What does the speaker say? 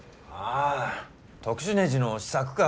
ああ特殊ねじの試作か。